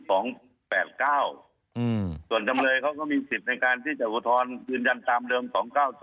ส่วนจำเลยเขาก็มีสิทธิ์ในการที่จะอุทธรณ์ยืนยันตามเดิม๒๙๐